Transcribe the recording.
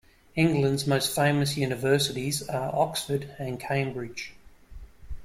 England’s most famous universities are Oxford and Cambridge